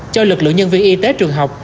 cho lực lượng nhân viên y tế trường học